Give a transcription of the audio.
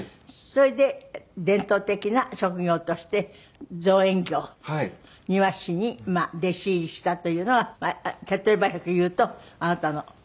それで伝統的な職業として造園業庭師に弟子入りしたというのが手っ取り早く言うとあなたのあれですかね。